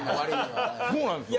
そうなんですよ。